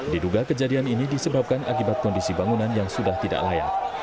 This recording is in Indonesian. diduga kejadian ini disebabkan akibat kondisi bangunan yang sudah tidak layak